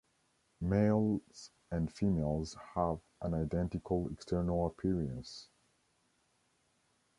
Males and females have an identical external appearance.